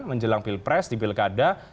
menjelang pilpres di pilkada